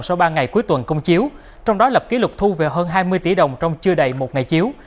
sau ba ngày cuối tuần công chiếu trong đó lập kỷ lục thu về hơn hai mươi tỷ đồng trong chưa đầy một ngày chiếu